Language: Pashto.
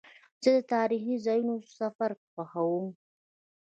زه د تاریخي ځایونو سفر خوښوم.